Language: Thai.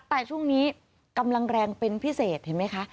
แต่ช่วงนี้กำลังแรงเป็นพิเศษเห็นไหมคะ